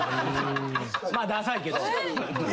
まあダサいけど。